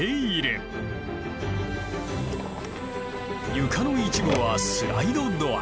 床の一部はスライドドア。